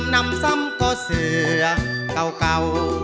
นำซ้ำก็เสือเก่า